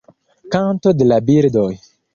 Kanto de la birdoj.